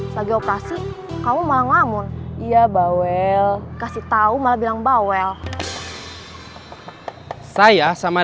tapi dia tidak bisa pergi ke rumah